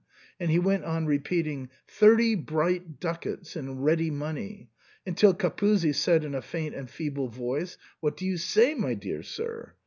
And he went on repeating, "thirty bright ducats in ready money,'' until Capuzzi said in a faint and feeble voice, "What do you say, my dear sir?